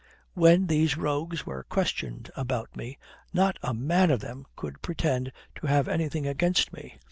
"When these rogues were questioned about me, not a man of them could pretend to have anything against me.